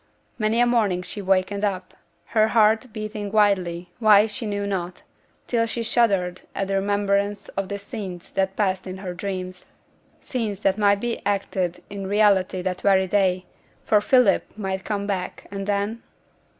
Many a morning she wakened up, her heart beating wildly, why, she knew not, till she shuddered at the remembrance of the scenes that had passed in her dreams: scenes that might be acted in reality that very day; for Philip might come back, and then?